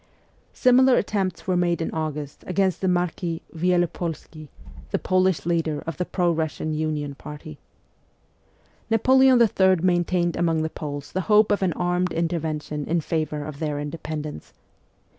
Similar attempts were made in August against the Marquis Wielep61sky, the Polish leader of the pro Russian Union party. Napoleon III. maintained among the Poles the hope of an armed intervention in favour of their independence.